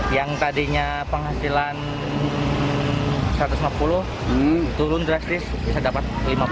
yang tadinya penghasilan satu ratus lima puluh turun drastis bisa dapat lima puluh